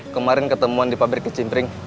kemarin ketemuan di pabrik kecimpring